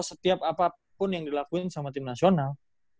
setiap apapun yang dilakuin sama tim nasional